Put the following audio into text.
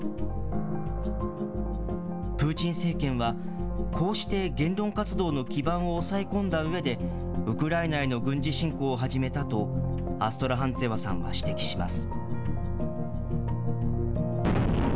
プーチン政権は、こうして言論活動の基盤を抑え込んだうえで、ウクライナへの軍事侵攻を始めたとアストラハンツェワさんは指摘します。